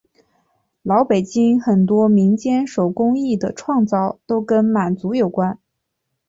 老北京很多民间手工艺的创造都跟满族有关。